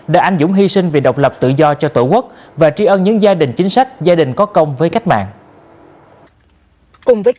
đã anh dũng hy sinh vì độc lập tự do cho tổ quốc và tri ân những gia đình chính sách gia đình có công với cách mạng